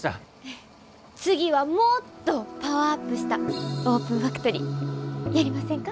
次はもっとパワーアップしたオープンファクトリーやりませんか？